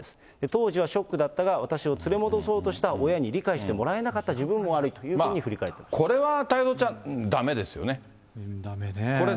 当時はショックだったが、私を連れ戻そうとした親に理解してもらえなかった自分も悪いといこれは太蔵ちゃん、だめですだめね。